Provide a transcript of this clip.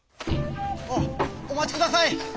あお待ちください！